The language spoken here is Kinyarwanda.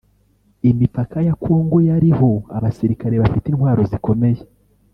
Imipaka ya Congo yariho abasirikare bafite intwaro zikomeye